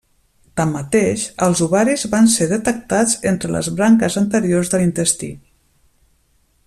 Tanmateix, els ovaris van ser detectats entre les branques anteriors de l'intestí.